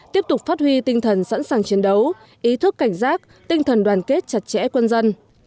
tiếp tục phát huy tinh thần sẵn sàng chiến đấu ý thức cảnh giác tinh thần đoàn kết chặt chẽ quân dân